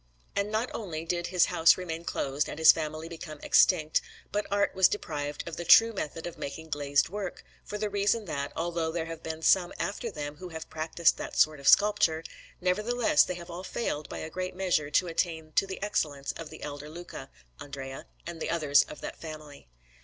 And not only did his house remain closed and his family become extinct, but art was deprived of the true method of making glazed work, for the reason that, although there have been some after them who have practised that sort of sculpture, nevertheless they have all failed by a great measure to attain to the excellence of the elder Luca, Andrea, and the others of that family.